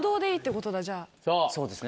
そうですね。